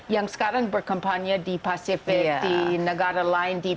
yang sekarang berkempanye di pasifik di negara lain di pbb